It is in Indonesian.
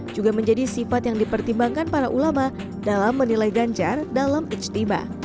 juga menjadi sifat yang dipertimbangkan para ulama dalam menilai ganjar dalam ijtima